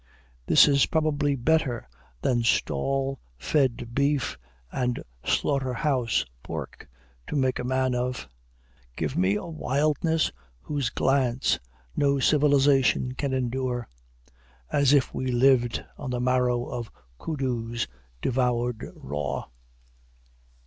This is probably better than stall fed beef and slaughter house pork to make a man of. Give me a wildness whose glance no civilization can endure, as if we lived on the marrow of koodoos devoured raw.